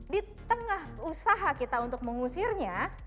di tengah usaha kita untuk mengusirnya